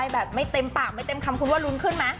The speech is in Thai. แบบไม่เต็มปากไม่เต็มคำคุณว่าลุ้นขึ้นไหม